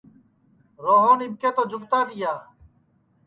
روہن اِٻکے تو جُگتا تِیا